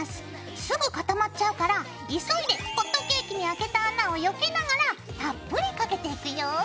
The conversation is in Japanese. すぐ固まっちゃうから急いでホットケーキにあけた穴をよけながらたっぷりかけていくよ。